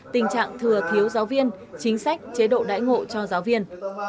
tình trạng thừa thiếu giáo viên chính sách chế độ đại ngộ cho giáo viên